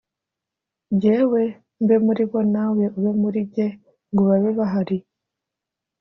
Jyewe mbe muri bo nawe ube muri jye ngo babe bahari